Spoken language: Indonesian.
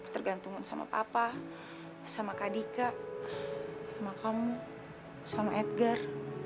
tergantungan sama papa sama kadika sama kamu sama edgar